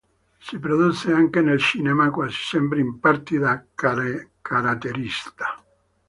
Si produsse anche nel cinema, quasi sempre in parti da caratterista.